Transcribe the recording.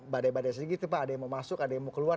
badai badais lagi ada yang mau masuk ada yang mau keluar